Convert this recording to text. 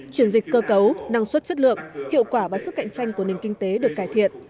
chuyển dịch cơ cấu năng suất chất lượng hiệu quả và sức cạnh tranh của nền kinh tế được cải thiện